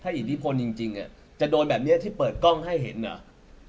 อิทธิพลจริงจะโดนแบบนี้ที่เปิดกล้องให้เห็นเหรอ